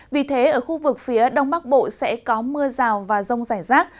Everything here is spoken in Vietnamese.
vì thế ở khu vực phía đông bắc bộ sẽ có mưa rào và rông rải rác